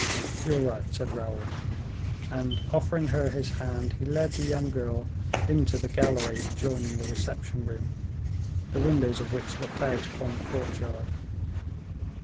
"You are right," said Raoul, and, offering her his hand, he led the young girl into the gallery adjoining the reception room, the windows of which looked out upon the courtyard.